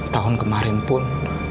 tahun kemarin pun